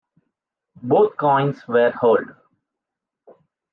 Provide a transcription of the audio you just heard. Both coins were holed.